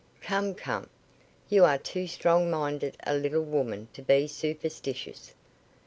Come, come. You are too strong minded a little woman to be superstitious.